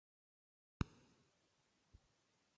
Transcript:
شنیز یوه دره ده